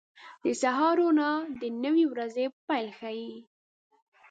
• د سهار روڼا د نوې ورځې پیل ښيي.